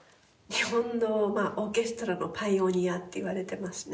日本のオーケストラのパイオニアっていわれてますね。